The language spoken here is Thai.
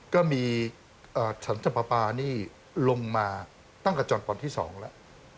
ก็มีศาสนธปปานี่ลงมาตั้งกับจรปอนด์ที่๒แล้ว